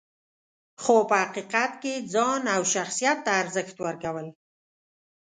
خو په حقیقت کې یې ځان او شخصیت ته ارزښت ورکول .